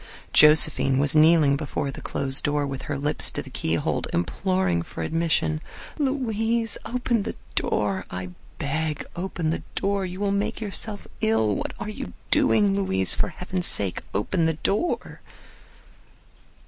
Josephine was kneeling before the closed door with her lips to the keyhole, imploring for admission. "Louise, open the door! I beg, open the door — you will make yourself ill. What are you doing, Louise? For heaven's sake open the door."